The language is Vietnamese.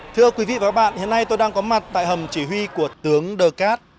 thưa quý vị và các bạn hiện nay tôi đang có mặt tại hầm chỉ huy của tướng đờ cát